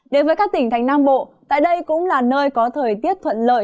đến với các tỉnh thành nam bộ tại đây cũng là nơi có thời tiết thuận lợi